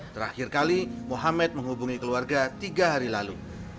terakhir kali mohamed menghubungi keluarga tiga hari lalu